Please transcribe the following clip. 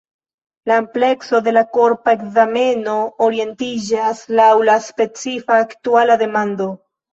La amplekso de la korpa ekzameno orientiĝas laŭ la specifa aktuala demando.